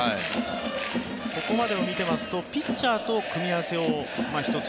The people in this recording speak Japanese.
ここまでを見ていますとピッチャーと組み合わせをひとつ